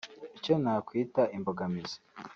“Icyo nakwita imbogamizi